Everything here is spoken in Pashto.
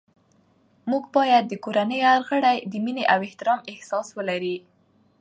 موږ باید د کورنۍ هر غړی د مینې او احترام احساس ولري